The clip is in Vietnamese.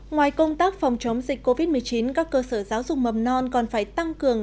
ngoài công tác phòng chống dịch covid một mươi chín các cơ sở giáo dục mầm non còn phải tăng cường